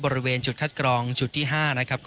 บริเวณจุดคัดกรองจุดที่๕นะครับ